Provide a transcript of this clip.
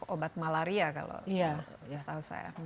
obat malaria kalau